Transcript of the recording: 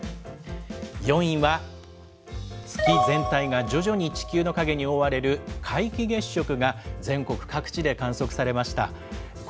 ４位は月全体が徐々に地球の影に覆われる皆既月食が、全国各地で観測されました。